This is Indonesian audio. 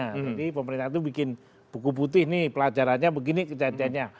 jadi pemerintah itu bikin buku putih ini pelajarannya begini kejadiannya